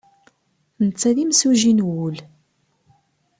Netta d imsuji n wul.